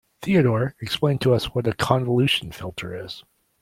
Theodore explained to us what a convolution filter is.